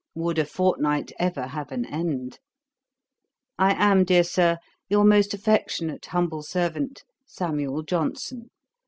Would a fortnight ever have an end? 'I am, dear Sir, 'Your most affectionate humble servant, 'SAM. JOHNSON.'